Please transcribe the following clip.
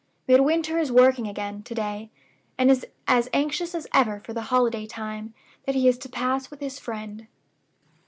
Midwinter is working again to day, and is as anxious as ever for the holiday time that he is to pass with his friend.